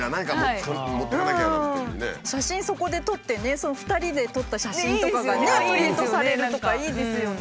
写真そこで撮ってね２人で撮った写真とかがねプリントされるとかいいですよね。